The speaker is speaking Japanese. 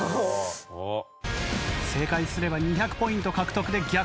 正解すれば２００ポイント獲得で逆転。